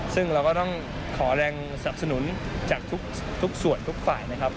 ซึ่งเราก็ต้องขอแรงสับสนุนจากทุกส่วนทุกฝ่ายนะครับ